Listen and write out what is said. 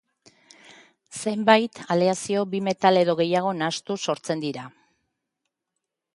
Zenbait aleazio bi metal edo gehiago nahastuz sortzen dira.